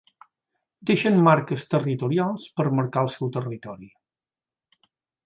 Deixen marques territorials per marcar del seu territori.